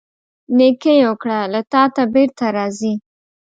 نیکۍ وکړه، له تا ته بیرته راځي.